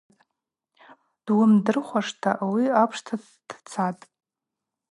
Дуымдырхуашта ауи апшта дцатӏ.